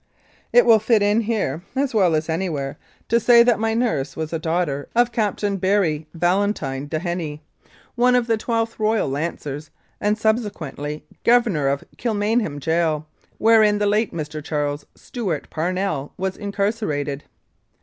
It will fit in here, as well as anywhere, to say that 108 1906 14. Calgary my nurse was a daughter of Captain Barry Valentine Dennehy, once of the I2th Royal Lancers, and subse quently Governor of Kilmainham Gaol, wherein the late Mr. Charles Stewart Parnell was incarcerated.